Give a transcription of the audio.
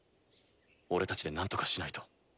俺たちでなんとかしないと。